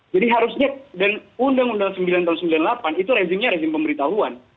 jadi harusnya dan undang undang sembilan tahun seribu sembilan ratus sembilan puluh delapan itu rezimnya rezim pemberitahuan